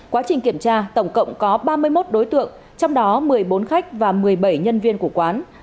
quá trình kiểm tra tổng cộng có ba mươi một đối tượng trong đó một mươi bốn khách và một mươi bảy nhân viên của quán